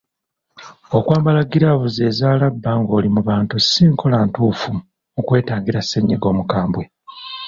Okwambala giraavuzi eza labba ng’oli mu bantu si nkola ntuufu mu kwetangira ssennyiga omukambwe.